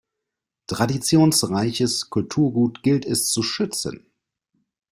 Traditionsreiches Kulturgut gilt es zu schützen.